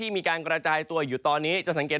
มีการกระจายตัวอยู่ตอนนี้